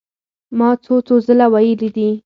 ما څو څو ځله وئيلي دي